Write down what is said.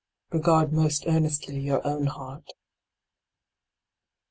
Regard most earnestly your own heart.